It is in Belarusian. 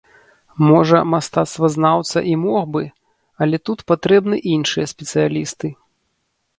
Можа мастацтвазнаўца і мог бы, але тут патрэбны іншыя спецыялісты.